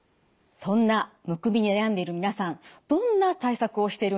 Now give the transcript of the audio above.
そんなむくみで悩んでいる皆さんどんな対策をしているんでしょうか？